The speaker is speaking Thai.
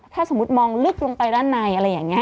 ถ้าสมมุติมองลึกลงไปด้านในอะไรอย่างนี้